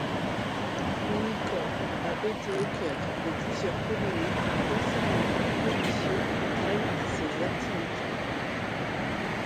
Umicore a été au coeur de plusieurs polémiques concernant la pollution qu'entraine ses activités.